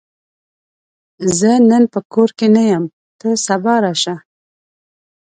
زه نن په کور کې نه یم، ته سبا راشه!